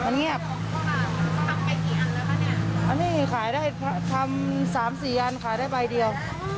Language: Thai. ทำสามสี่อันขายได้ใบเดียว